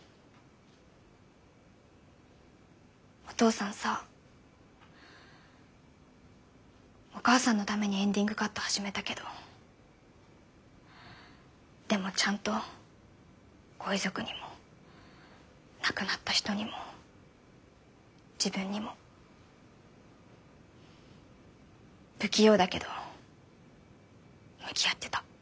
お父さんさお母さんのためにエンディングカット始めたけどでもちゃんとご遺族にも亡くなった人にも自分にも不器用だけど向き合ってた。